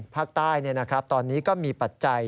ภาคใต้ตอนนี้ก็มีปัจจัย